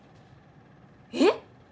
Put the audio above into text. えっ！？